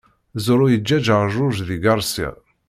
Zoro yeǧǧa-d rrjuj deg Garcia.